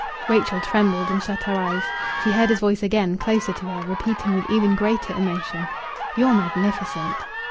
Rachel trembled, and shut her eyes. She heard his voice again, closer to her, repeating with even greater emotion: "You're magnificent."